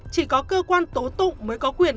chỉ có cơ quan tố tụ mới có quyền